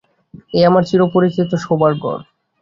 – এই আমার চির-পরিচিত শোবার ঘর।